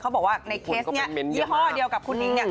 บอกว่าในเคสนี้ยี่ห้อเดียวกับคุณอิงเนี่ย